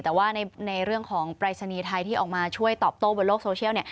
แต่ว่าในเรื่องของปรายศนีย์ไทยที่ออกมาช่วยตอบโต้บนโลกโซเชียล